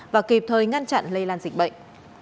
và kịp thời ngăn chặn lây lan dịch bệnh